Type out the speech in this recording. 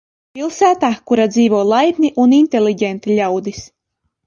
Pilsēta, kurā dzīvo laipni un inteliģenti ļaudis.